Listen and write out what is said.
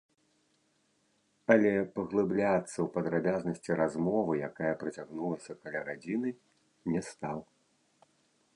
Але паглыбляцца ў падрабязнасці размовы, якая працягнулася каля гадзіны, не стаў.